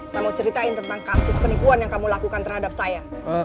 saya mau ceritain tentang kasus penipuan yang kamu lakukan terhadap saya